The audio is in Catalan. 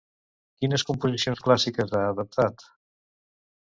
Quines composicions clàssiques ha adaptat?